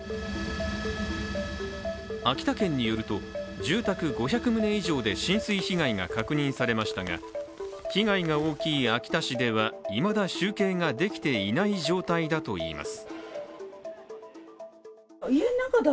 秋田県によると、住宅５００棟以上で浸水被害が確認されましたが被害が大きい秋田市ではいまだ集計ができていない状態だといいます。